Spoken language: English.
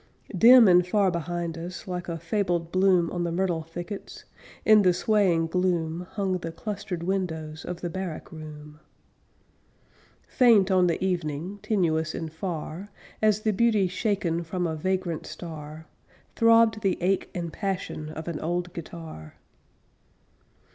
Dim and far behind us, Like a fabled bloom On the myrtle thickets, In the swaying gloom Hung the clustered windows Of the barrack room. Faint on the evening Tenuous and far As the beauty shaken From a vagrant star, Throbbed the ache and passion Of an old guitar.